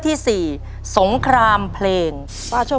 ใช่นักร้องบ้านนอก